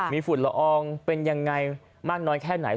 มีฝุ่นละอองเป็นยังไงมากน้อยแค่ไหน